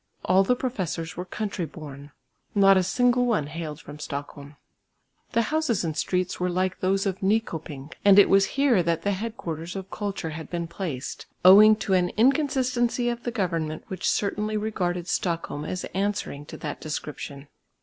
All the professors were country born; not a single one hailed from Stockholm. The houses and streets were like those of Nyköping. And it was here that the head quarters of culture had been placed, owing to an inconsistency of the government which certainly regarded Stockholm as answering to that description.